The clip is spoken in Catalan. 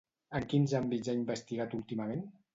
En quins àmbits ha investigat últimament?